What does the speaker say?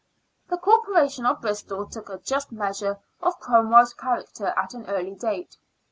The Corporation of Bristol took a just measure of Crom well's character at an early date.